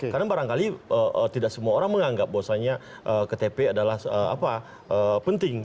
karena barangkali tidak semua orang menganggap bahwasanya ktp adalah penting